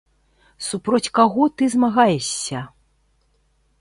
Супроць каго ты змагаешся?